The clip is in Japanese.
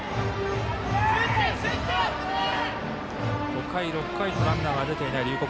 ５回、６回とランナーが出ていない龍谷